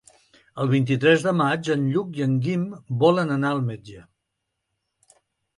El vint-i-tres de maig en Lluc i en Guim volen anar al metge.